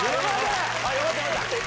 よかったよかった！